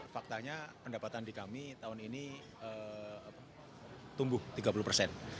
faktanya pendapatan di kami tahun ini tumbuh tiga puluh persen